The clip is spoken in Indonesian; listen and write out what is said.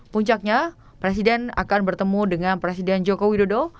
puncaknya presiden akan bertemu dengan presiden joko widodo